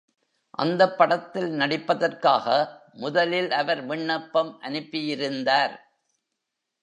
அந்தப் படத்தில் நடிப்பதற்காக முதலில் அவர் விண்ணப்பம் அனுப்பியிருந்தார்.